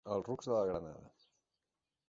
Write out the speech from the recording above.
Els rucs de la Granada.